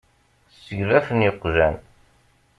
Seglafen yeqjan.